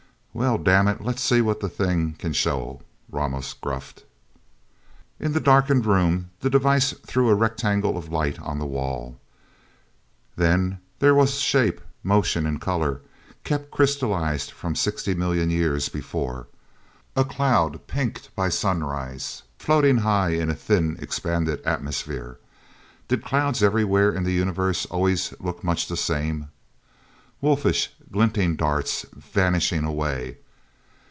"Well, dammit let's see what the thing can show!" Ramos gruffed. In the darkened room, the device threw a rectangle of light on the wall. Then there was shape, motion, and color, kept crystallized from sixty million years before. A cloud, pinked by sunrise, floating high in a thin, expanded atmosphere. Did clouds everywhere in the universe always look much the same? Wolfish, glinting darts, vanishing away.